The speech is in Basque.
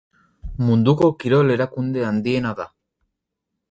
Munduko kirol erakunde handiena da.